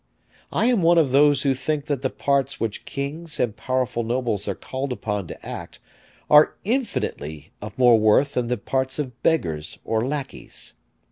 I am one of those who think that the parts which kings and powerful nobles are called upon to act are infinitely of more worth than the parts of beggars or lackeys.